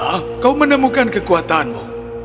jangan marah kau menemukan kekuatanmu